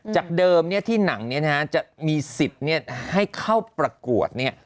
จากเดิมที่หนังจะมีสิทธิ์ให้เข้าประกวด